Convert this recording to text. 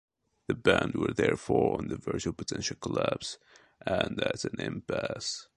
The band were therefore on the verge of potential collapse and at an impasse.